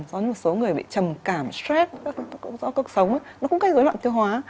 do một số người bị trầm cảm stress do cuộc sống nó cũng có dối loạn tiêu hóa